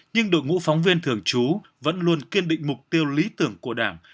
nhưng đội ngũ phóng viên thường trú vẫn luôn kiên định mục tiêu lý tưởng của đảng